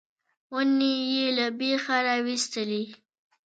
ونې یې له بېخه راویستلې.